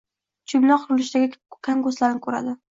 jumla qurilishidagi kam-ko‘stlarini ko‘radi.